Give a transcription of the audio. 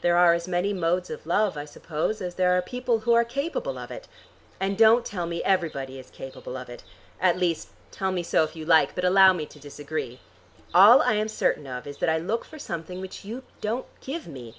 There are as many modes of love, I suppose, as there are people who are capable of it. And don't tell me everybody is capable of it. At least, tell me so if you like, but allow me to disagree. All I am certain of is that I look for something which you don't give me.